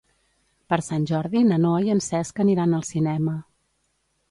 Per Sant Jordi na Noa i en Cesc aniran al cinema.